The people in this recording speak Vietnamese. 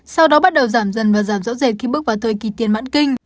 sau đó bắt đầu giảm dần và giảm rõ rệt khi bước vào thời kỳ tiền mãn kinh